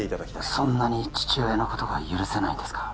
そんなに父親のことが許せないんですか？